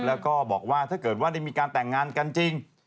แล้วก็บอกว่าถ้าเกิดว่าได้มีการแต่งงานกันจริง